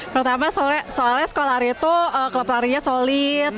pertama soalnya sekolari itu klub larinya solid